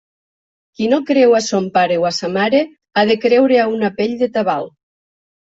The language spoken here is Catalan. Qui no creu a son pare o a sa mare ha de creure a una pell de tabal.